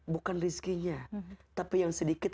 bukan rizkinya tapi yang sedikit